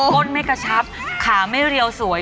้นไม่กระชับขาไม่เรียวสวย